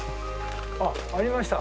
あっありました。